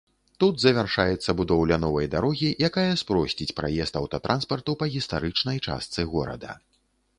Тут завяршаецца будоўля новай дарогі, якая спросціць праезд аўтатранспарту па гістарычнай частцы горада.